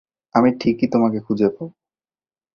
আমি ঠিকই তোমাকে খুঁজে পাবো।